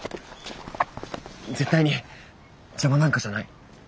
絶対に邪魔なんかじゃない。